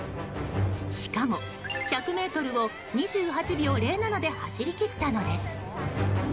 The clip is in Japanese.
しかも１００ｍを２８秒０７で走り切ったのです。